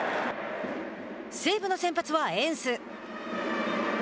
西武の先発はエンス。